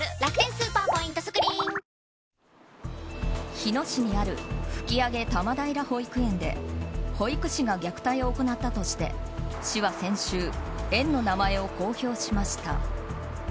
日野市にある吹上多摩平保育園で保育士が虐待を行ったとして市が先週園の名前を公表しました。